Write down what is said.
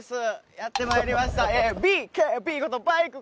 やってまいりました。